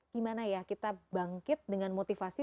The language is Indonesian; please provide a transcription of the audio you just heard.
gimana ya kita bangkit dengan motivasi